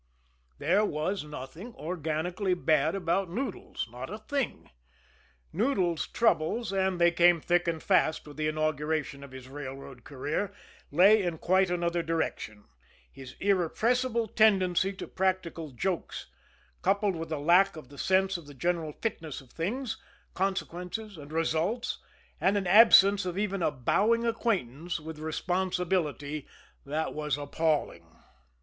There was nothing organically bad about Noodles not a thing. Noodles' troubles, and they came thick and fast with the inauguration of his railroad career, lay in quite another direction his irrepressible tendency to practical jokes, coupled with a lack of the sense of the general fitness of things, consequences and results, and an absence of even a bowing acquaintance with responsibility that was appalling.